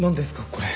これ。